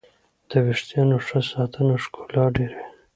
د ویښتانو ښه ساتنه ښکلا ډېروي.